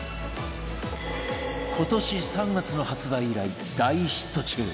今年３月の発売以来大ヒット中